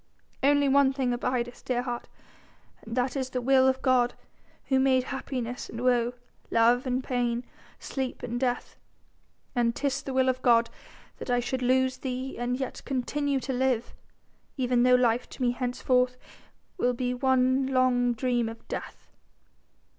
Only one thing abideth, dear heart, and that is the will of God, who made happiness and woe, love and pain, sleep and death. And 'tis the will of God that I should lose thee and yet continue to live, even though life to me henceforth will be one long dream of death.